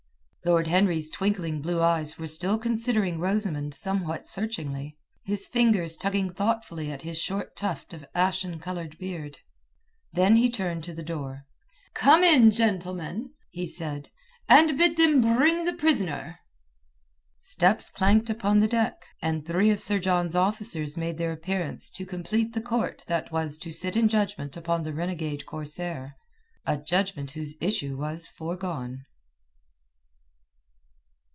Lord Henry's twinkling blue eyes were still considering Rosamund somewhat searchingly, his fingers tugging thoughtfully at his short tuft of ashen coloured beard. Then he turned to the door. "Come in, gentlemen," he said, "and bid them bring up the prisoner." Steps clanked upon the deck, and three of Sir John's officers made their appearance to complete the court that was to sit in judgment upon the renegade corsair, a judgment whose issue was foregone.